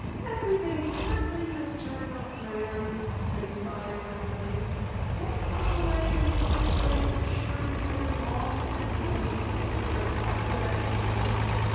"Everything certainly has turned out grand," Penny sighed happily. "Hank Holloway and Clyde Blake are sure to be given long prison sentences for their Black Hood activities.